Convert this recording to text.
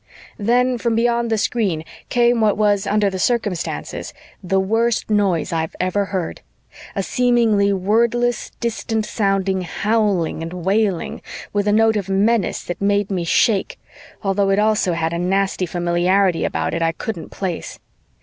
Then from beyond the screen came what was, under the circumstances, the worst noise I've ever heard, a seemingly wordless distant sounding howling and wailing, with a note of menace that made me shake, although it also had a nasty familiarity about it I couldn't place.